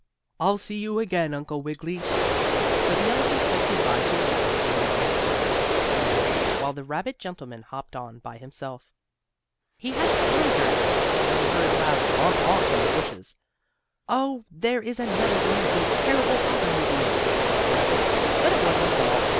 "I'll see you again, Uncle Wiggily." So the elephant said good bye to the rabbit, and went back to the circus with the man, while the rabbit gentleman hopped on by himself. He hadn't gone very far before he heard a loud "Honk honk!" in the bushes. "Oh, there is another one of those terrible automobiles!" thought the rabbit. But it wasn't at all.